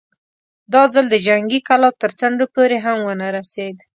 دا ځل د جنګي کلا تر څنډو پورې هم ونه رسېد.